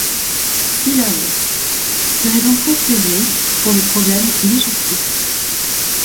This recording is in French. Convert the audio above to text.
Cilaos serait donc conseillée pour les problèmes digestifs.